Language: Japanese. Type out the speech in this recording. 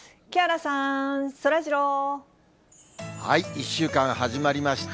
１週間始まりました。